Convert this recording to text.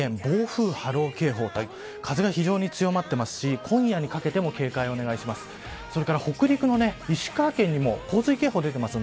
風が非常に強まっていますし今夜にかけても警戒をお願いします。